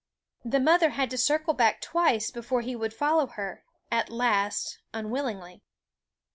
The mother had to circle back twice before he followed her, at last, unwillingly.